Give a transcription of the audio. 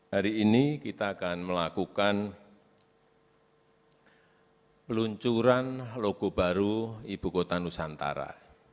hari ini kita akan melakukan peluncuran logo baru ibu kota nusantara